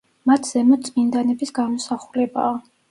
მათ ზემოთ წმინდანების გამოსახულებაა.